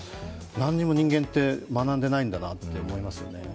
何も人間って学んでいないんだなと思いますよね。